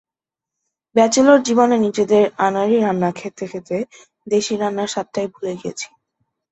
Bachelor জীবনে নিজেদের আনাড়ি রান্না খেতে খেতে দেশি রান্নার স্বাদটাই ভুলে গেছি।